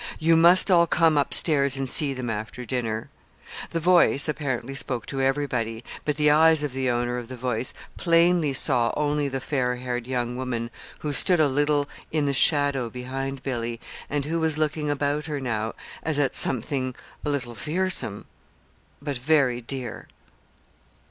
"You must all come up stairs and see them after dinner." The voice, apparently, spoke to everybody; but the eyes of the owner of the voice plainly saw only the fair haired young woman who stood a little in the shadow behind Billy, and who was looking about her now as at something a little fearsome, but very dear.